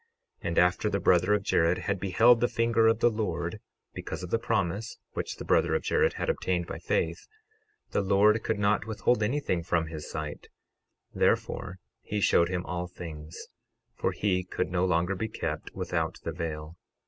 12:21 And after the brother of Jared had beheld the finger of the Lord, because of the promise which the brother of Jared had obtained by faith, the Lord could not withhold anything from his sight; wherefore he showed him all things, for he could no longer be kept without the veil.